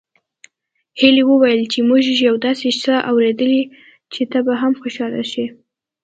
هيلې وويل چې موږ يو داسې څه اورېدلي چې ته به هم خوشحاله شې